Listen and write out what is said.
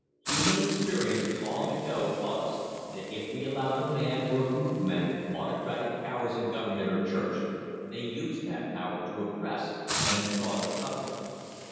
Human experience long ago taught us that if we allowed a man or a group of men auto cratic powers in government or church, they used that power to oppress and defraud the public.